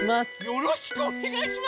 よろしくおねがいしますじゃない！